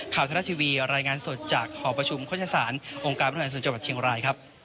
ข่าวไทยรัฐทีวีรายงานสดจากหอประชุมโฆษศาสตร์องค์การพันธุ์แห่งสนุนจังหวัดเชียงรายครับ